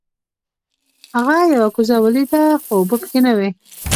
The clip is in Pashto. هغه یوه کوزه ولیده خو اوبه پکې نه وې.